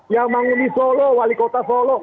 yang bangun di solo wali kota solo